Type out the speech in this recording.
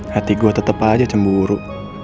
hati gue tetap aja cemburu